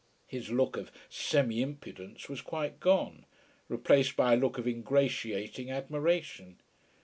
His look of semi impudence was quite gone, replaced by a look of ingratiating admiration.